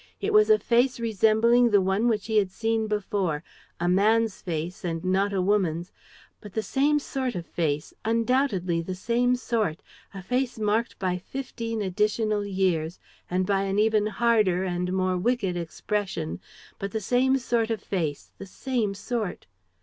. it was a face resembling the one which he had seen before, a man's face and not a woman's, but the same sort of face, undoubtedly the same sort: a face marked by fifteen additional years and by an even harder and more wicked expression, but the same sort of face, the same sort!